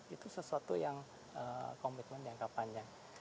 itu sesuatu yang komitmen jangka panjang